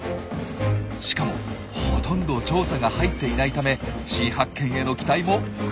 しかもほとんど調査が入っていないため新発見への期待も膨らみます。